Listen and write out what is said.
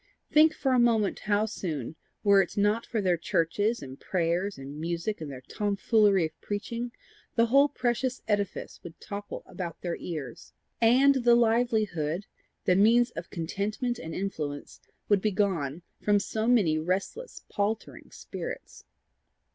Think for a moment how soon, were it not for their churches and prayers and music and their tomfoolery of preaching, the whole precious edifice would topple about their ears, and the livelihood, the means of contentment and influence, would be gone from so many restless paltering spirits!